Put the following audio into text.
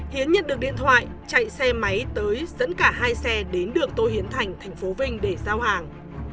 hiến nhận được điện thoại chạy xe máy tới dẫn cả hai xe đến đường tô hiến thành thành phố vinh để giao hàng